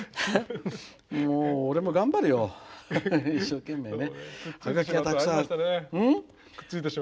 もう俺も頑張るよ、一生懸命ね。